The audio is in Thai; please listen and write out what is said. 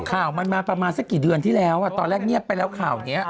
ข่าวมันมาประมาณสักกี่เดือนที่แล้วตอนแรกเงียบไปแล้วข่าวนี้